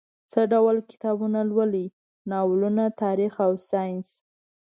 څه ډول کتابونه لولئ؟ ناولونه، تاریخ او ساینس